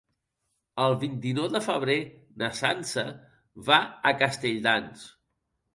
El vint-i-nou de febrer na Sança va a Castelldans.